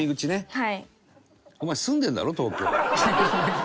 はい。